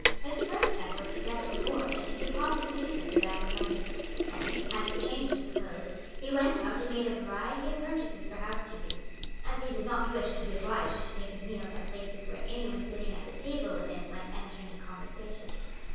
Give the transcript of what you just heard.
His first step was to get up a board and to deposit beneath it the bag of money. Then, having changed his clothes, he went out and made a variety of purchases for housekeeping, as he did not wish to be obliged to take his meals at places where anyone sitting at the table with him might enter into conversation.